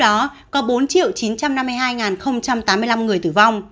trong đó có bốn chín trăm năm mươi hai tám mươi năm người tử vong